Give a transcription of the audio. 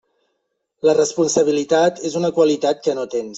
La responsabilitat és una qualitat que no tens.